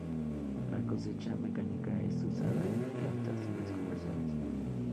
La cosecha mecánica es usada en plantaciones comerciales.